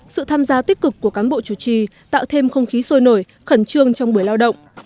sự tham gia tích cực của cán bộ chủ trì tạo thêm không khí sôi nổi khẩn trương trong buổi lao động